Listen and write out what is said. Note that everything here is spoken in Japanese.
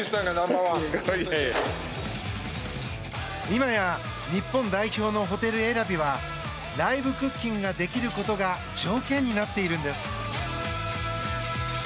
今や日本代表のホテル選びはライブクッキングができることが条件になっているんです。